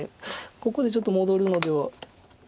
ここでちょっと戻るのでは。